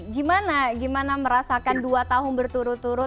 gimana gimana merasakan dua tahun berturut turut